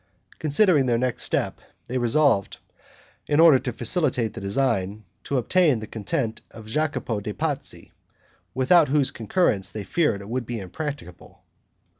Considering their next step, they resolved, in order to facilitate the design, to obtain the consent of Jacopo de' Pazzi, without whose concurrence they feared it would be impracticable.